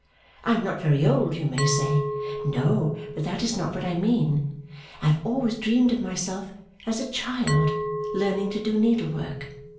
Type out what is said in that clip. I am not very old, you may say. No, but that is not what I mean. I have always dreamed of myself as a child learning to do needlework.